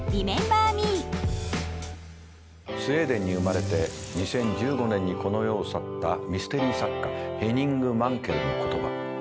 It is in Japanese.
スウェーデンに生まれて２０１５年にこの世を去ったミステリー作家ヘニング・マンケルの言葉。